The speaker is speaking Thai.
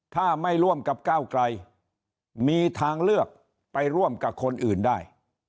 ถ้าไม่ร่วมกับก้าวไกลมีทางเลือกไปร่วมกับคนอื่นได้